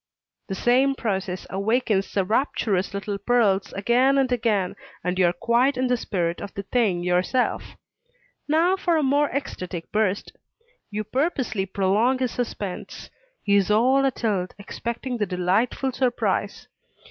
The same process awakens the rapturous little pearls again and again, and you are quite in the spirit of the thing yourself. Now for a more ecstatic burst. You purposely prolong his suspense; he is all atilt, expecting the delightful surprise.